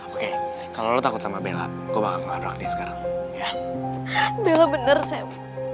oke kalau lo takut sama bella gue bakal kabrak dia sekarang ya bella bener sam